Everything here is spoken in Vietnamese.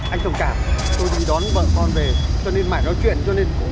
anh tổng cảm tôi chỉ đón vợ con về cho nên mãi nói chuyện cho nên